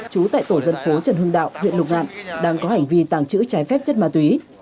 trú tại tổ dân phố trần hưng đạo huyện lục ngạn đang có hành vi tàng trữ trái phép chất ma túy